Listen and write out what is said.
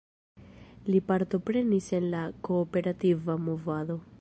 Li partoprenis en la kooperativa movado.